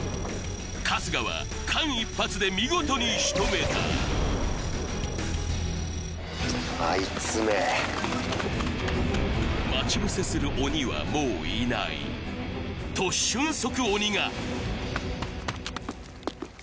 春日は間一髪で見事にしとめた待ち伏せする鬼はもういないと俊足鬼が！